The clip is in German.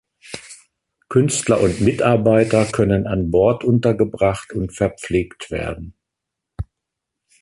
Künstler und Mitarbeiter können an Bord untergebracht und verpflegt werden.